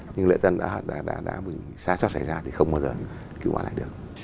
nhưng lễ dân đã sai sót xảy ra thì không bao giờ cứu mạng lại được